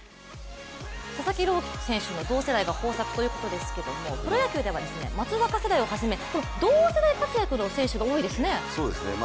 佐々木朗希投手の同世代が豊作ということですけどもプロ野球では松坂世代を始め同世代活躍の選手が多いですね。